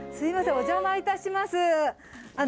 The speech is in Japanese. お邪魔いたします。